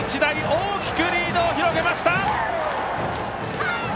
大きくリードを広げました！